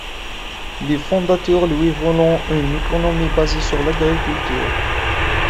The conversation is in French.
Les fondateurs lui veulent une économie basée sur l'agriculture.